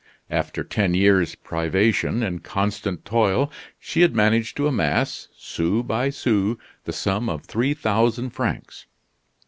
After ten years' privation and constant toil, she had managed to amass, sou by sou, the sum of three thousand francs.